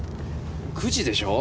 ９時でしょう。